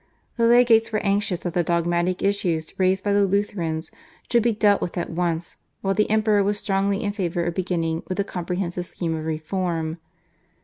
The legates were anxious that the dogmatic issues raised by the Lutherans should be dealt with at once, while the Emperor was strongly in favour of beginning with a comprehensive scheme of reform.